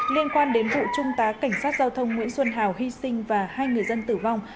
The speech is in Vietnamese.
liên quan đến vụ trung tá cảnh sát giao thông nguyễn xuân hào hy sinh và hai người dân tử vong